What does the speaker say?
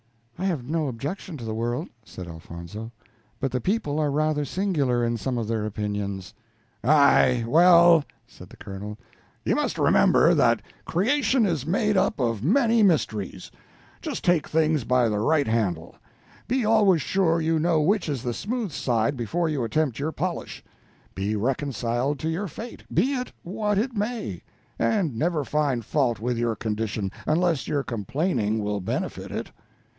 "I have no objection to the world," said Elfonzo, "but the people are rather singular in some of their opinions." "Aye, well," said the Colonel, "you must remember that creation is made up of many mysteries; just take things by the right handle; be always sure you know which is the smooth side before you attempt your polish; be reconciled to your fate, be it what it may; and never find fault with your condition, unless your complaining will benefit it.